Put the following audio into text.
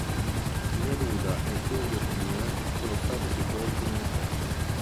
Neruda e Urrutia sono stati sepolti nella casa.